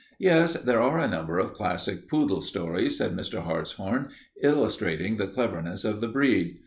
"Yes, there are a number of classic poodle stories," said Mr. Hartshorn, "illustrating the cleverness of the breed.